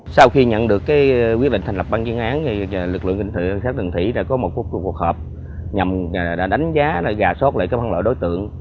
sau khi nhận được cái quyết định thành lập ban chỉ đạo điều tra chuyên án lực lượng cảnh sát đường thủy đã có một cuộc hợp nhằm đánh giá gà sót lại các văn loại đối tượng